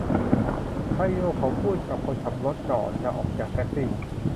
ไชโยเขาพูดกับคนขับรถก่อนจะออกจากแท็กซี่